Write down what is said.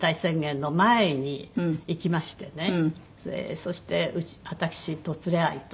そして私と連れ合いと。